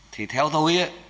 thì theo tôi